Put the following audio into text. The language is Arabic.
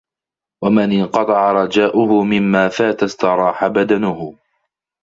وَمَنْ انْقَطَعَ رَجَاؤُهُ مِمَّا فَاتَ اسْتَرَاحَ بَدَنُهُ